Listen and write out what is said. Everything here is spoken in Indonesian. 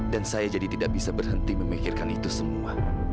dan saya jadi tidak bisa berhenti memikirkan itu semua